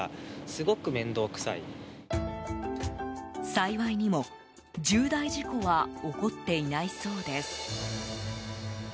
幸いにも、重大事故は起こっていないそうです。